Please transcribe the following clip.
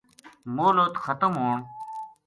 مہلت ختم ہون